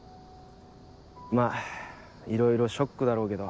まぁいろいろショックだろうけど。